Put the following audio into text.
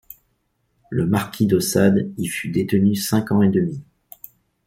Le marquis de Sade y fut détenu cinq ans et demi.